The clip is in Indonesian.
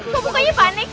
kok bukanya panik